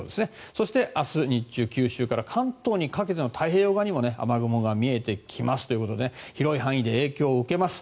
そして、明日日中九州から関東にかけての太平洋側にも雨雲が見えてきますということで広い範囲で影響を受けます。